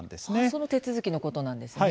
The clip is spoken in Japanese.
その手続きのことなんですね。